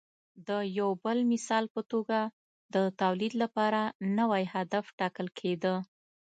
د یو بل مثال په توګه د تولید لپاره نوی هدف ټاکل کېده